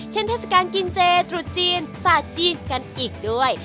เช่นเทศกาลกินเจตรูดจีนซาจีนกันอีกด้วย